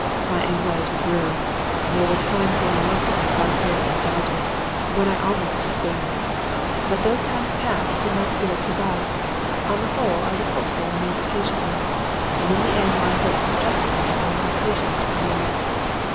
My anxiety grew. There were times when I looked at my white hair and doubted; when I almost despaired. But those times passed and my spirits revived. On the whole, I was hopeful and waited patiently; and in the end my hopes were justified and my patience rewarded.